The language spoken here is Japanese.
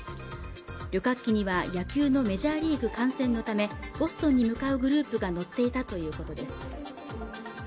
旅客機には野球のメジャーリーグ観戦のためボストンに向かうグループが乗っていたということです